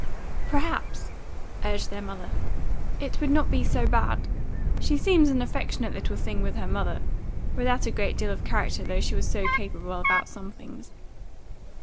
"Perhaps," urged their mother, "it would not be so bad. She seemed an affectionate little thing with her mother, without a great deal of character though she was so capable about some things."